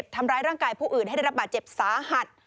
ทำร้ายร่างกายผู้อื่นให้ได้รับบาดเจ็บสาหัส